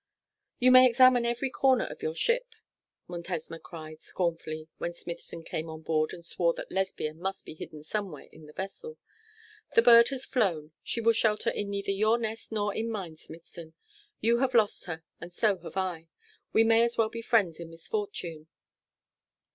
'You may examine every corner of your ship,' Montesma cried, scornfully, when Smithson came on board and swore that Lesbia must be hidden somewhere in the vessel. 'The bird has flown: she will shelter in neither your nest nor in mine, Smithson. You have lost her and so have I. We may as well be friends in misfortune.'